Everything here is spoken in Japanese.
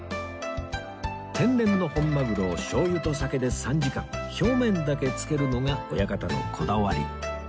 天然の本マグロを醤油と酒で３時間表面だけ漬けるのが親方のこだわり